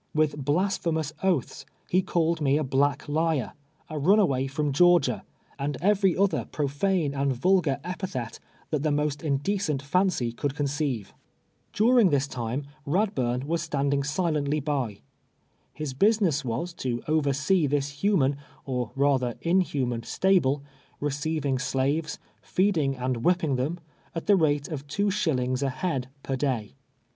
With blasphemous oaths, he called me a black liar, a runaway from Georgia, and every other profane and %> ■nVELVE TEAKS A PI.AYE. vulgar epithet that the most indecent fancy could conceive. During tliis time Iia(ll)uni was standing silently hy. J lis l)usiness was, to oversee this human, or rather inhuman stahle, receiving slaves, feeding and whii)ping them, at the rate of two shillings a liead l)er day.